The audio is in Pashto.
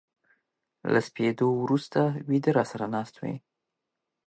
له سپېدو ورو سته و يده را سره ناست وې